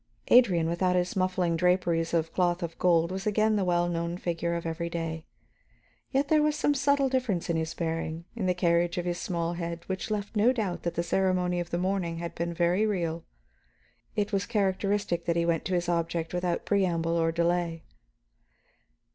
Adrian without his muffling draperies of cloth of gold was again the well known figure of every day. Yet there was some subtle difference in his bearing, in the carriage of his small head, which left no doubt that the ceremony of the morning had been very real. It was characteristic that he went to his object without preamble or delay.